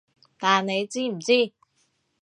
但你知唔知？